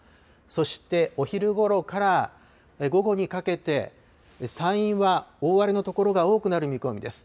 そしてお昼ごろから午後にかけて山陰は大荒れの所が多くなる見込みです。